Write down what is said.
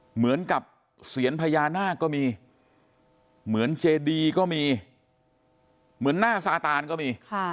เหมือนกับเสียญพญานาคก็มีเหมือนเจดีก็มีเหมือนหน้าซาตานก็มี